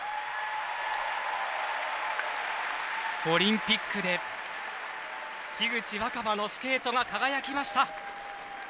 オリンピックで樋口新葉のスケートが輝きました。